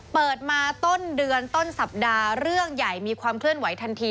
เปิดมาต้นเดือนต้นสัปดาห์เรื่องใหญ่มีความเคลื่อนไหวทันที